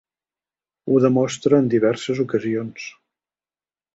Ho demostra en diverses ocasions.